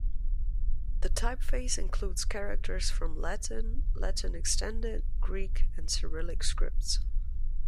The typeface includes characters from Latin, Latin extended, Greek and Cyrillic scripts.